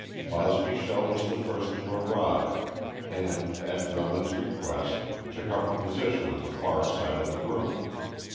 Bosbyshell was the first to arrive, and, at Drummond's request, took up a position on the far side of the room.